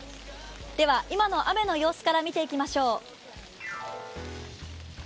では、今の雨の様子から見ていきましょう。